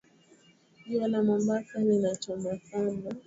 Jua la Mombasa linachoma sana